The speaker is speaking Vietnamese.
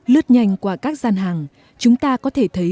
lướt nhanh qua các gian hàng chúng ta có thể thấy